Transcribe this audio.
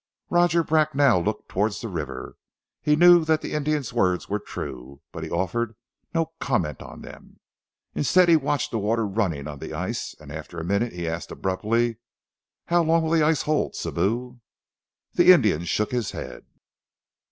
Roger Bracknell looked towards the river. He knew that the Indian's words were true, but he offered no comment on them. Instead he watched the water running on the ice, and after a minute he asked abruptly, "How long will the ice hold, Sibou?" The Indian shook his head.